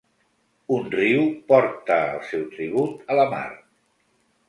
Un riu portar el seu tribut a la mar.